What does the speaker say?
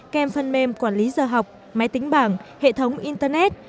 kèm phân mêm quản lý giờ học máy tính bảng hệ thống internet